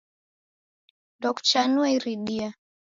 Ndokuchanue iridia.